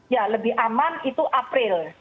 ya lebih aman itu april